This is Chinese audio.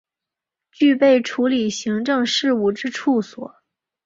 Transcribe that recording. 具备处理行政事务之处所